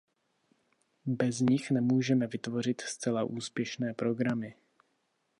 Bez nich nemůžeme vytvořit zcela úspěšné programy.